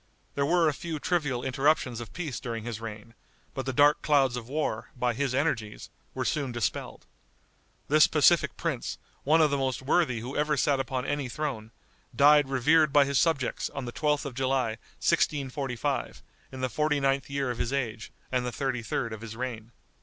There were a few trivial interruptions of peace during his reign; but the dark clouds of war, by his energies, were soon dispelled. This pacific prince, one of the most worthy who ever sat upon any throne, died revered by his subjects on the 12th of July, 1645, in the forty ninth year of his age and the thirty third of his reign.